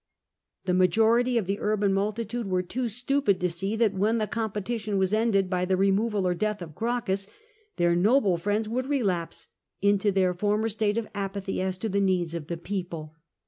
The majority of the urban multitude were too stupid to see that when the com petition was ended by the removal or death of Gracchus, their noble friends would relapse into their former state of apathy as to the needs of the people.